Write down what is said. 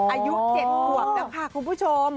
อายุ๗ขวบแล้วค่ะคุณผู้ชม